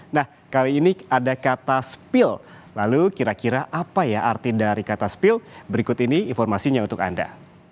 nah kali ini ada kata spill lalu kira kira apa ya arti dari kata spill berikut ini informasinya untuk anda